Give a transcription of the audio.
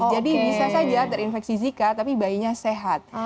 jadi bisa saja terinfeksi zika tapi bayinya sehat